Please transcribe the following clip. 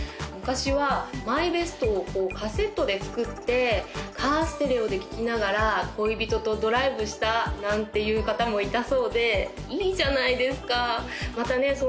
昔はＭＹＢＥＳＴをこうカセットで作ってカーステレオで聴きながら恋人とドライブしたなんていう方もいたそうでいいじゃないですかまたね